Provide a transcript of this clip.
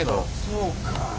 そうかあ。